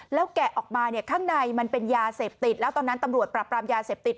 แล้วแกะออกมาเนี่ยข้างในมันเป็นยาเสพติดแล้วตอนนั้นตำรวจปรับปรามยาเสพติด